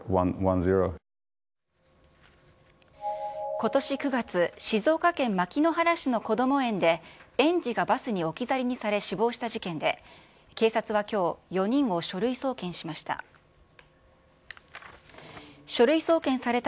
ことし９月、静岡県牧之原市のこども園で、園児がバスに置き去りにされ、死亡した事件で、警察はきょう、４人を書類送検しました。